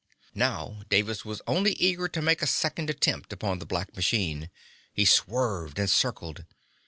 Now Davis was only eager to make a second attempt upon the black machine. He swerved and circled.